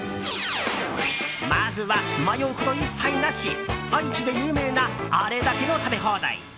まずは、迷うこと一切なし愛知で有名なあれだけの食べ放題。